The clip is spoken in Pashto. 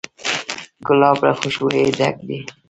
ګلاب له خوشبویۍ ډک دی.